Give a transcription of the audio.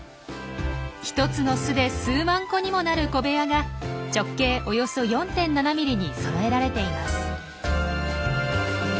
１つの巣で数万個にもなる小部屋が直径およそ４．７ミリにそろえられています。